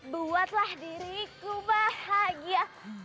buatlah diriku bahagia